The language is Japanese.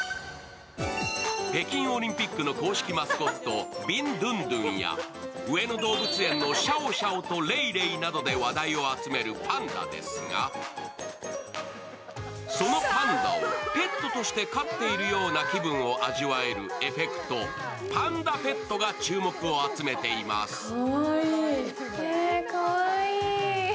北京オリンピックの公式マスコット、ビンドゥンドゥンや上野動物園のシャオシャオとレイレイなどで話題を集めるパンダですが、そのパンダをペットとして飼っているような気分を味わえるエフェクト、パンダペットが注目を集めています。